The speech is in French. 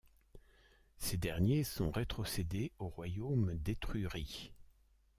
Ces derniers sont rétrocédés au royaume d'Étrurie.